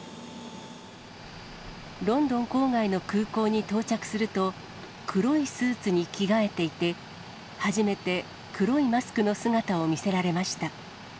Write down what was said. ロンドン郊外の空港に到着すると、黒いスーツに着替えていて、初めて黒いマスクの姿を見せられました。